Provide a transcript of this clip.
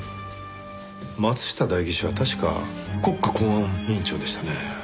松下代議士は確か国家公安委員長でしたね。